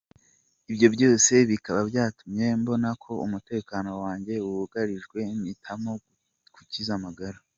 Ibi byose bikaba byatumye mbona ko umutekano wanjye wugarijwe mpitamo gukiza amagara.